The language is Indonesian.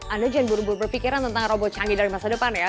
anda jangan buru buru berpikiran tentang robot canggih dari masa depan ya